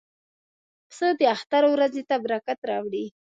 پسه د اختر ورځې ته برکت راوړي.